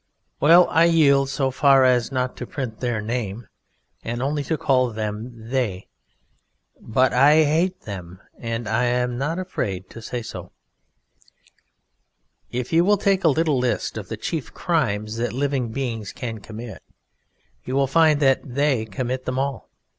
Well, I yield so far as not to print Their name, and only to call Them "They", but I hate Them, and I'm not afraid to say so. If you will take a little list of the chief crimes that living beings can commit you will find that They commit them all.